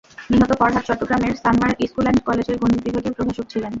নিহত ফরহাদ চট্টগ্রামের Sanmar school and কলেজের গণিত বিভাগের প্রভাষক ছিলেন।